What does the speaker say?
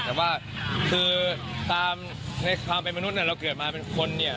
แต่ว่าคือตามในความเป็นมนุษย์เราเกิดมาเป็นคนเนี่ย